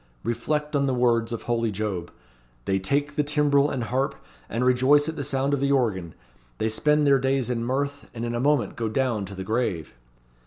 Reflect on the words of holy Job, 'They take the timbrel and harp, and rejoice at the sound of the organ. They spend their days in mirth, and in a moment go down, to the grave.'